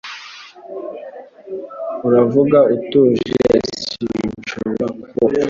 Uravuga utuje sinshobora kukumva